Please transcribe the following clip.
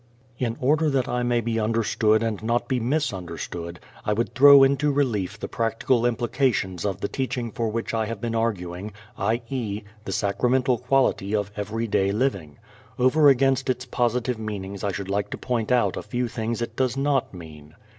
In order that I may be understood and not be misunderstood I would throw into relief the practical implications of the teaching for which I have been arguing, i.e., the sacramental quality of every day living. Over against its positive meanings I should like to point out a few things it does not mean.